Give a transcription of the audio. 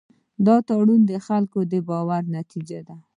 دا تړون د خلکو د باور نتیجه ده.